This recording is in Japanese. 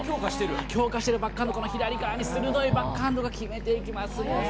強化してるバックハンド、左側に鋭いバックハンドを決めていきますね。